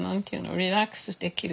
リラックスできる。